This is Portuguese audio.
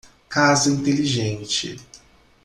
Casa inteligente.